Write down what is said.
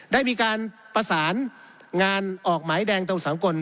ได้มีการประสานงานออกหมายแดงตรงสังกล